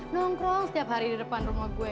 nongkrong setiap hari di depan rumah gue